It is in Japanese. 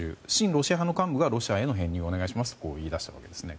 ロシア派の幹部がロシアへの編入をお願いしますと言い出したんですね。